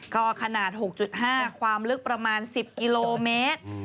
ก็ขนาด๖๕ความลึกประมาณ๑๐กิโลเมตร